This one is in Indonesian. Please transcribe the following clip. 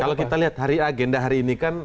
kalau kita lihat hari agenda hari ini kan